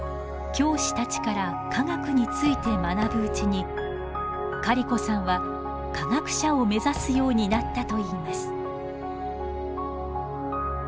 教師たちから科学について学ぶうちにカリコさんは科学者を目指すようになったといいます。